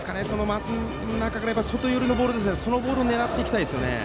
真ん中から外寄りのボールそのボールを狙いたいですね。